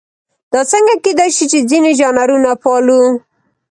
دا څنګه کېدای شي چې ځینې ژانرونه پالو.